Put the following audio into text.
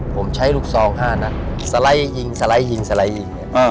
ผมใช้ลูกซอง๕นัดสไลด์ยิงสไลด์ยิงสไลด์ยิง